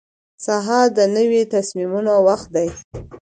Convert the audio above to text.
سهار د نوي تصمیمونو وخت دی.